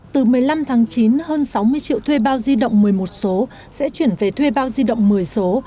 từ một mươi năm tháng chín hơn sáu mươi triệu thuê bao di động một mươi một số sẽ chuyển về thuê bao di động một mươi số